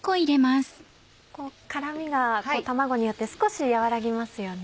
辛みが卵によって少し和らぎますよね。